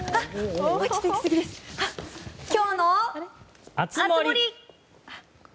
今日の熱盛！